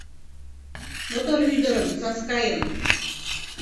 Мотор ӱдырым, Саскайым.